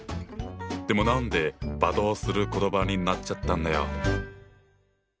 でも何で罵倒する言葉になっちゃったんだよ？